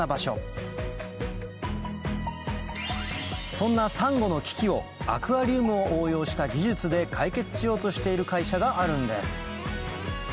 そんなサンゴの危機をアクアリウムを応用した技術で解決しようとしている会社があるんです